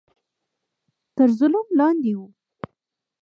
تر ظلم لاندې وو